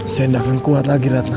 saya tidak akan kuat lagi ratna